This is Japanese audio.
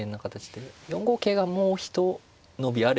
４五桂がもう一伸びあれば。